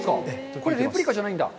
これ、レプリカじゃないんだ。